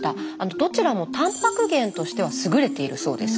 どちらもタンパク源としては優れているそうです。